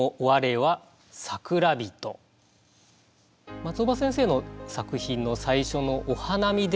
松尾葉先生の作品の最初の「お花見です」というところ